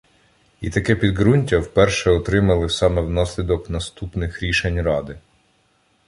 І таке підґрунтя вперше отримали саме внаслідок наступних рішень ради.